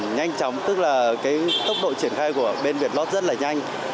nhanh chóng tức là cái tốc độ triển khai của bên việt lot rất là nhanh